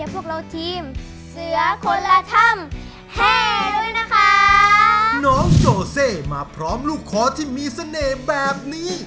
พร้อมลูกขอที่มีเสน่ห์แบบนี้